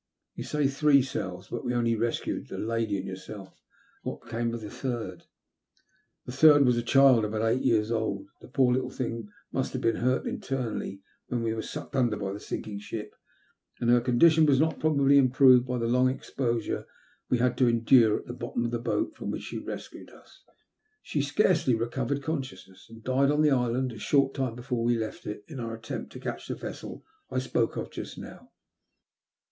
You say * three selves,' but we only rescued the lady and yourself. What, then, became of the third ?"" The third was a child about eight years old. The poor httle thing must have been hurt internally when we were sucked under by the sinking ship, and her condition was probably not improved by the long exposure we had to endure on the bottom of the boat from which you rescued us. She scarcely recovered consciousness, and died on the island a short time before we left it in our attempt to catch the vessel I spoke of just now."